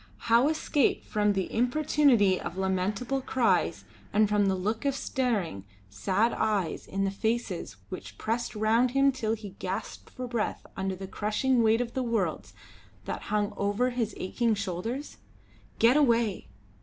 How escape from the importunity of lamentable cries and from the look of staring, sad eyes in the faces which pressed round him till he gasped for breath under the crushing weight of worlds that hung over his aching shoulders? Get away!